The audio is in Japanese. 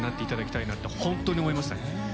本当に思いましたね。